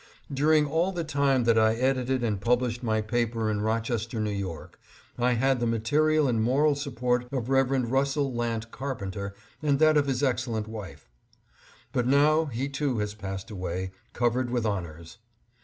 During all the time that I edited and published my paper in Rochester, New York, I had the material and moral support of Rev. Russell Lant Carpenter and that of his excellent wife. But now he too has passed away, covered with honors.